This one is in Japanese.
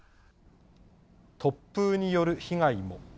突風による被害も。